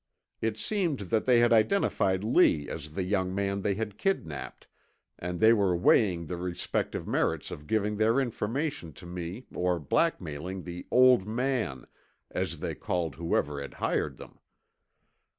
It seemed that they had identified Lee as the young man they had kidnapped and they were weighing the respective merits of giving their information to me or blackmailing the 'old man,' as they called whoever had hired them.